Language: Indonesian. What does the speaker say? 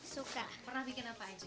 suka pernah bikin apa aja